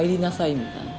みたいな。